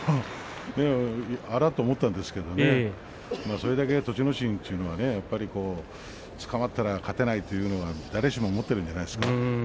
あらっと思ったんですがそれだけ栃ノ心というのはつかまったら勝てないというのは誰しも思ってるんじゃないですか。